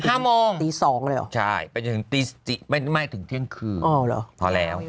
ตี๒เลยเหรอใช่ไม่ถึงเที่ยงคืนพอแล้ว